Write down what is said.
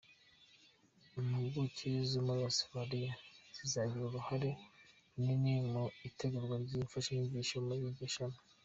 Impuguke zo muri Australia zizagira uruhare runini mu itegurwa ry’imfashanyigisho muri iryo shami.